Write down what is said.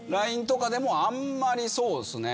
ＬＩＮＥとかでもあんまりそうっすね。